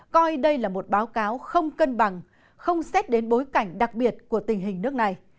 coi đây là một báo cáo không cân bằng không xét đến bối cảnh đặc biệt của tình hình nước này